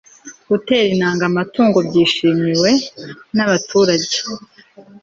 gutera intanga amatungo byishimiwe n'abaturage